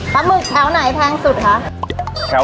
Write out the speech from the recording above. หมึกแถวไหนแพงสุดคะ